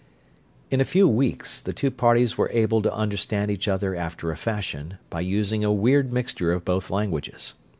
In a few weeks the two parties were able to understand each other after a fashion, by using a weird mixture of both languages.